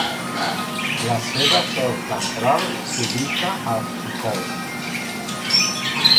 La seva seu central s'ubica a Estocolm.